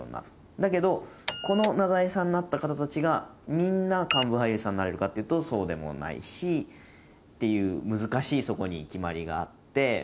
だけどこの名題さんになった方たちがみんな幹部俳優さんになれるかっていうとそうでもないしっていう難しいそこに決まりがあって。